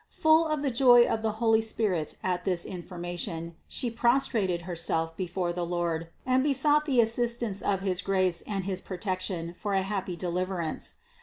Full of the joy of the holy Spirit at this information, she prostrated herself before the Lord and besought the assistance of his grace and his protection for a happy deliverance.